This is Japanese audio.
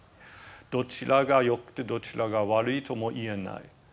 どちらが良くてどちらが悪いとも言えない。